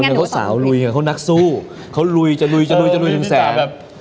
คนเดี๋ยวเขาสาวลุยนะคะเขานักสู้จะลุยยังแสค